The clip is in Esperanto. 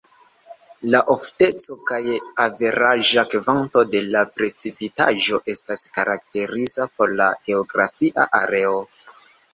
La ofteco kaj averaĝa kvanto de la precipitaĵo estas karakteriza por la geografia areo.